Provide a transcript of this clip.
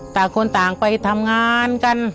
ต่างคนต่างไปทำงานกัน